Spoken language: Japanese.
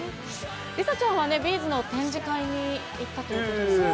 梨紗ちゃんはね、Ｂ’ｚの展示会に行ったということですけど。